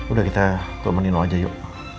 udah kita ke rumah nino aja yuk